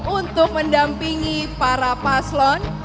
untuk mendampingi para paslon